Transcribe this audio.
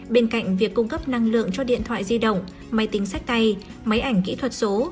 bên cạnh việc cung cấp năng lượng cho điện thoại di động máy tính sách tay máy ảnh kỹ thuật số